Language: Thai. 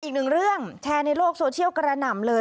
อีกหนึ่งเรื่องแชร์ในโลกโซเชียลกระหน่ำเลย